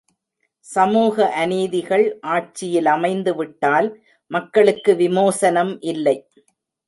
சமூக அநீதிகள் ஆட்சியிலமைந்து விட்டால் மக்களுக்கு விமோசனம் இல்லை.